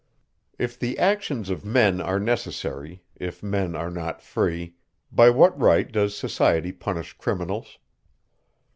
"If the actions of men are necessary, if men are not free, by what right does society punish criminals?